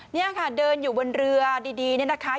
นี่ค่ะเดินอยู่บนเรือดีเนี่ยนะคะ